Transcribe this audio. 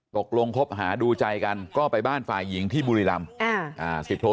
ตกลงพบหาดูใจกันก็ไปบ้านฝ่ายหญิงที่บุรีลำอ่าสิทธิ์โทร